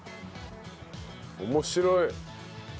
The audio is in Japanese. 面白い。